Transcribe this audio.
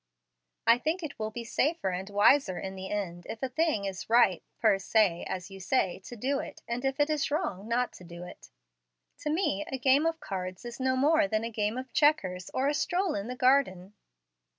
I think it will be safer and wiser in the end, if a thing is right fer se, as you say, to do it, and if wrong not to do it. To me, a game of cards is no more than a game of checkers, or a stroll in a garden."